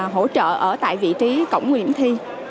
hỗ trợ ở tại vị trí cổng điểm thi